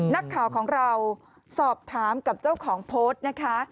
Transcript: นักข่าวของเราสอบถามกับเจ้าของโพสต์นะคะ